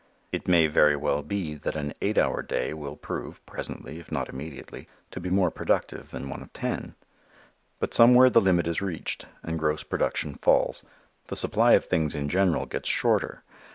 It may very well be that an eight hour day will prove, presently if not immediately, to be more productive than one of ten. But somewhere the limit is reached and gross production falls. The supply of things in general gets shorter.